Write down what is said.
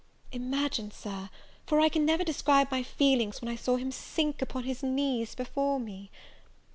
Imagine, Sir, for I can never describe my feelings, when I saw him sink upon his knees before me!